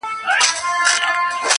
• د قدرت مي ورته جوړه كړله لاره -